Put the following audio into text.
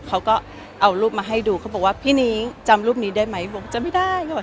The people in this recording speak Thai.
เขาก็เอารูปมาให้ดูเขาบอกว่าพี่นิ้งจำรูปนี้ได้ไหมบอกจำไม่ได้ค่ะ